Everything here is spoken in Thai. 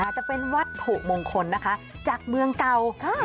จะเป็นวัตถุมงคลนะคะจากเมืองเก่า